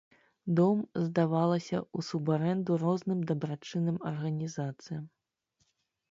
Дом здавалася ў субарэнду розным дабрачынным арганізацыям.